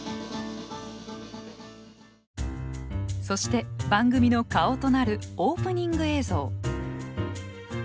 そして番組の顔となるオープニング映像。